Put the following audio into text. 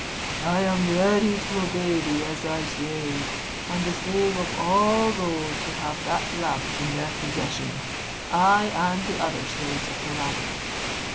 I am ready to obey thee as thy slave, and the slave of all those who have that lamp in their possession; I and the other slaves of the lamp."